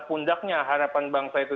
pundaknya harapan bangsa itu